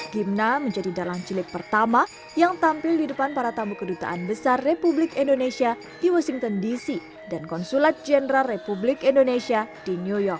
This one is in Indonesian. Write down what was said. gimna menjadi dalang cilik pertama yang tampil di depan para tamu kedutaan besar republik indonesia di washington dc dan konsulat jenderal republik indonesia di new york